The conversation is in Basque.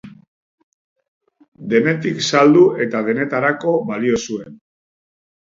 Denetik saldu eta denetarako balio zuen.